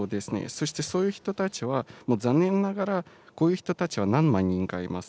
そしてそういう人たちは、残念ながらこういう人たちは何万人かいます。